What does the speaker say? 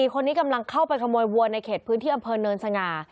คนนี้กำลังเข้าไปขโมยวัวในเขตพื้นที่อำเภอเนินสง่า